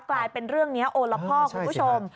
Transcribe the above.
กลายเป็นเรื่องนี้โอละพ่อคุณผู้ชม